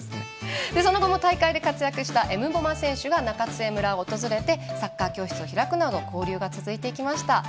その後の大会で活躍したエムボマ選手が中津江村を訪れてサッカー教室を開くなど交流が続いていきました。